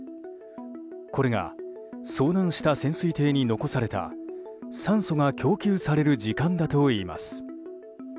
これが遭難した潜水艇に残された酸素が供給される時間だといいます。